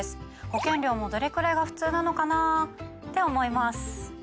保険料もどれくらいが普通なのかな？って思います。